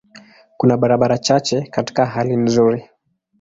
Kuna barabara chache katika hali nzuri.